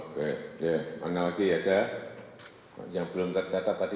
di jambi jambi mulai aman